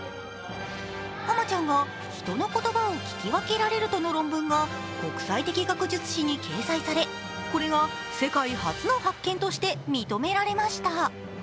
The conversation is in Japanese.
ハマちゃんが人の言葉を聴き分けられるとの論文が国際的学術誌に掲載されこれが世界初の発見として認められました。